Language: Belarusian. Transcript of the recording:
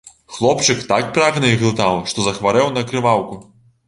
Хлопчык так прагна іх глытаў, што захварэў на крываўку.